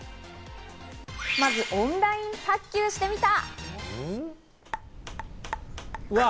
まずオンライン卓球してみた。